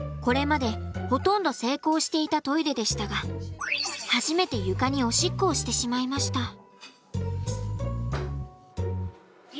これまでほとんど成功していたトイレでしたが初めて床におしっこをしてしまいました。